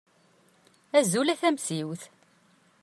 Azul a Tamsiwt.